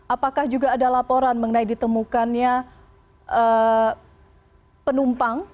apakah juga ada laporan mengenai ditemukannya penumpang